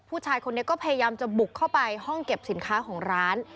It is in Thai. ผู้ชายคนนี้ก็พยายามจะบุกเข้าไปห้องเก็บสินค้าของร้าน